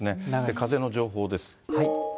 風の情報です。